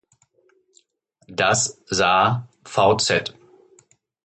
Das Sa vz.